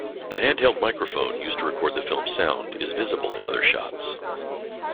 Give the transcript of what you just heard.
The handheld microphone used to record the film's sound is visible in other shots.